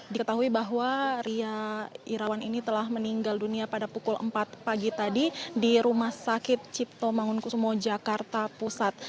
diketahui bahwa ria irawan ini telah meninggal dunia pada pukul empat pagi tadi di rumah sakit cipto mangunkusumo jakarta pusat